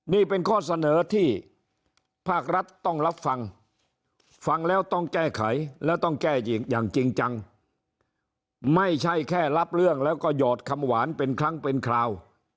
นี่เป็นข้อเสนอที่ภาครัฐต้องรับฟังฟังแล้วต้องแก้ไขและต้องแก้อย่างจริงจังไม่ใช่แค่รับเรื่องแล้วก็หยอดคำหวานเป็นครั้งเป็นคราว